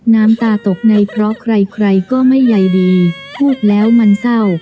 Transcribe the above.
น้ำตาตกในเพราะใครใครก็ไม่ใยดีพูดแล้วมันเศร้า